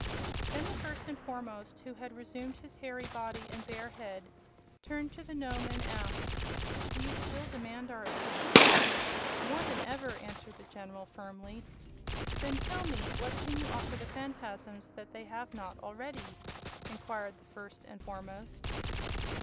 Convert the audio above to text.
Then the First and Foremost, who had resumed his hairy body and bear head, turned to the Nome and asked: "Do you still demand our assistance?" "More than ever," answered the General, firmly. "Then tell me: what can you offer the Phanfasms that they have not already?" inquired the First and Foremost.